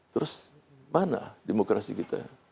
terus mana demokrasi kita